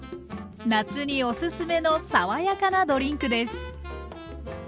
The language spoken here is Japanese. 夏にオススメの爽やかなドリンクです。